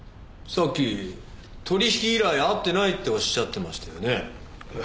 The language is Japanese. さっき取引以来会ってないっておっしゃってましたよねえ。